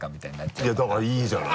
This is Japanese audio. いやだからいいじゃない？